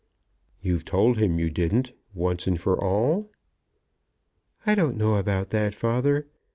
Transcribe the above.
"You've told him you didn't, once and for all?" "I don't know about that, father.